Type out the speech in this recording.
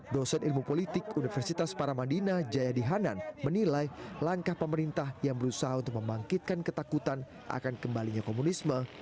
dosen ilmu politik universitas paramadina jayadi hanan menilai langkah pemerintah yang berusaha untuk membangkitkan ketakutan akan kembalinya komunisme